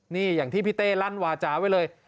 นี่อย่างที่พี่เต้ลั่นวาจาไว้เลย